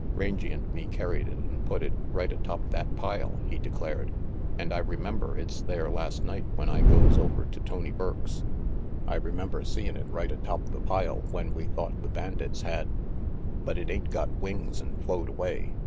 "Rangy and me carried it and put it right atop that pile," he declared. "And I remember it's there last night when I goes over to Tony Burke's. I remember seein' it right atop the pile when we thought the bandits had but it ain't got wings and flowed away.